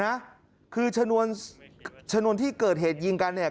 นะคือชนวนชนวนที่เกิดเหตุยิงกันเนี่ย